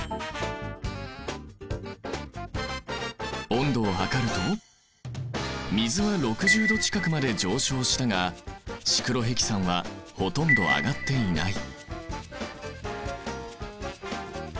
温度を測ると水は６０度近くまで上昇したがシクロヘキサンはほとんど上がっていない。